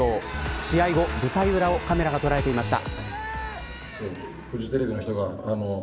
試合の舞台裏をカメラが捉えていました。